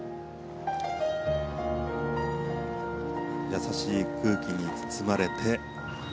優しい空気に包まれて。